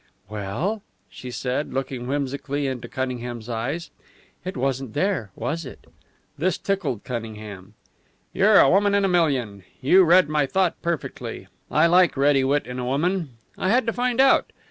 "Well?" she said, looking whimsically into Cunningham's eyes. "It wasn't there, was it?" This tickled Cunningham. "You're a woman in a million! You read my thought perfectly. I like ready wit in a woman. I had to find out.